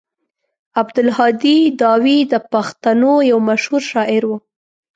عبدالهادي داوي د پښتنو يو مشهور شاعر و.